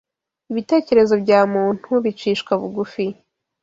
ibitekerezo bya muntu bicishwa bugufi.